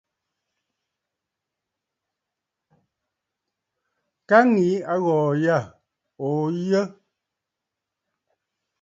Ka ŋyi aghɔ̀ɔ̀ yâ, òo yə̂.